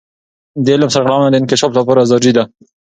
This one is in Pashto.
د علم سرغړونه د انکشاف لپاره ضروري ده.